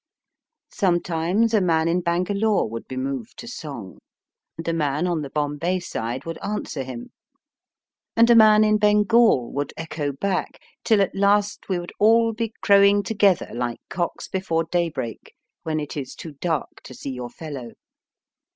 Sometimes a man in Bangalore would be moved to song, and a man on the Bombay side would answer him, and a RUDYARD KIPLING 95 man in Bengal would echo back, till at last we would all be crowing together like cocks before daybreak, when it is too dark to see your fellow.